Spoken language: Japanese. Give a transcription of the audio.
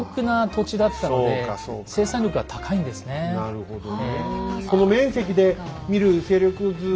なるほどね。